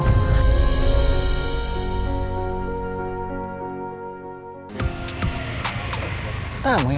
tapi aku mau ketemu reina